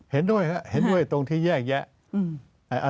เห็นด้วยครับเห็นด้วยตรงที่แยกแยะ